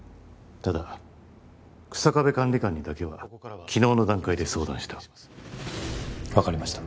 ただ日下部管理官にだけは昨日の段階で相談した分かりました